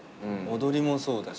踊りもそうだし。